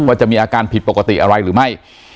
จะมีอาการผิดปกติอะไรหรือไม่